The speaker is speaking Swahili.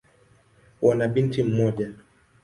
Wana binti mmoja.